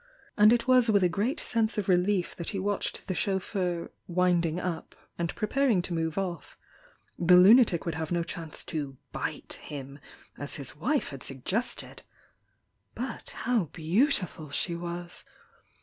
And it was with a great sense of relief that he watched the chauffeur "winding up" and preparing to move off— the lunatic would have no chance to "bite" him, as his wife had suggested! But how beautiful she was!